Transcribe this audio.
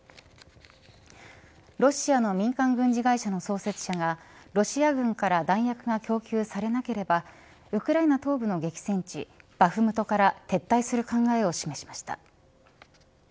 ロシアの民間軍事会社の創設者がロシア軍から弾薬が供給されなければウクライナ東部の激戦地バフムトから撤退する考えを示しました。